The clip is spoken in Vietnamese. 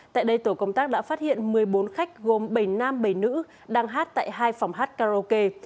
tại đây tổ công tác đã phát hiện một mươi bốn khách gồm bảy nam bảy nữ đang hát tại hai phòng hát karaoke